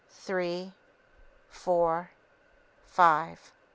three ... four ... five."